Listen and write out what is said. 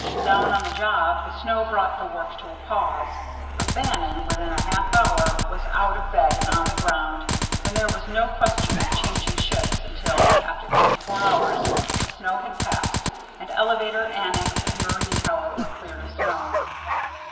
Down on the job the snow brought the work to a pause, but Bannon, within a half hour, was out of bed and on the ground, and there was no question of changing shifts until, after twenty four hours, the storm had passed, and elevator, annex and marine tower were cleared of snow.